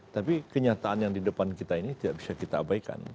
tapi kenyataan yang di depan kita ini tidak bisa kita abaikan